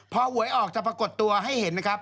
พอหวยออกจะปรากฏตัวให้เห็นนะครับ